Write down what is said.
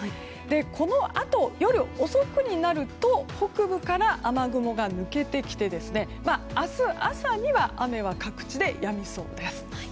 このあと夜遅くになると北部から雨雲が抜けてきて明日朝には雨は各地でやみそうです。